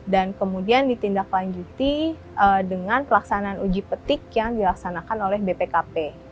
dan kemudian ditindak lanjuti dengan pelaksanaan uji petik yang dilaksanakan oleh bpkp